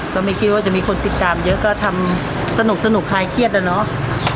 ก็ไม่คิดว่าจะมีคนติดตามเยอะก็ทำสนุกคลายเครียดอะเนาะ